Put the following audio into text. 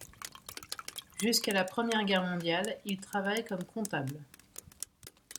Jusqu’à la Première Guerre mondiale, il travaille comme comptable.